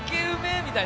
みたいな。